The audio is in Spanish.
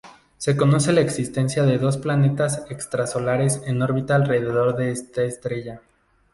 Se conoce la existencia de dos planetas extrasolares en órbita alrededor de esta estrella.